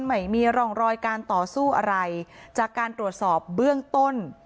ไม่มีร่องรอยการต่อสู้อะไรจากการตรวจสอบเบื้องต้น